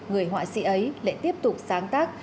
người họa sĩ ấy lại tiếp tục sáng tác